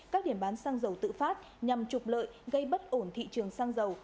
các điểm bán xăng dầu tự phát nhằm trục lợi gây bất ổn thị trường xăng dầu